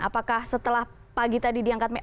apakah setelah pagi tadi diangkat